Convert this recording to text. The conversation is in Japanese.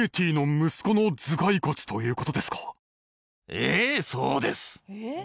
ええそうです